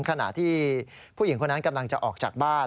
ขณะที่ผู้หญิงคนนั้นกำลังจะออกจากบ้าน